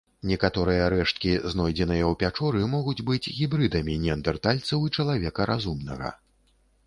Некаторыя рэшткі, знойдзеныя ў пячоры, могуць быць гібрыдамі неандэртальцаў і чалавека разумнага.